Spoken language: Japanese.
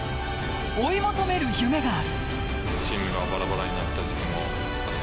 追い求める夢がある。